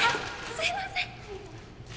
すいません！